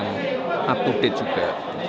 alat alat yang up to date juga